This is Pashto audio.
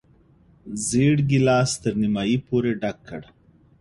زېړ ګیلاس یې تر نیمايي پورې ډک کړ.